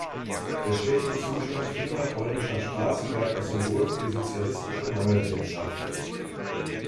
Der schlechte Zustand vieler polnischer Straßen galt als Symbol für die sozialistische Mangelwirtschaft.